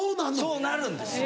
そうなるんです。